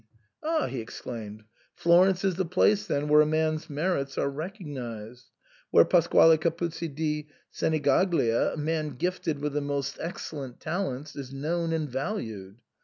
"Ah!" he exclaimed, "Florence is the place then where a man's merits are recognised, where Pasquale Capuzzi di Senigaglia, a man gifted with the most excellent talents, is known and valued."